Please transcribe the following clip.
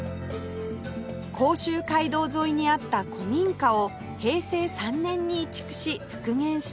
甲州街道沿いにあった古民家を平成３年に移築し復元したこちら